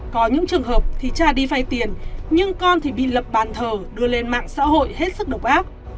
có những trường hợp thì cha đi vay tiền nhưng con thì bị lập bàn thờ đưa lên mạng xã hội hết sức độc ác